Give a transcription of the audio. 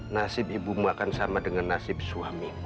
nasib ibumu akan sama dengan nasib suami